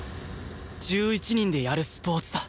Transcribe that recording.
１１人でやるスポーツだ